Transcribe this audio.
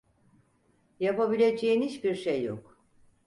Yapabileceğin hiçbir şey yok.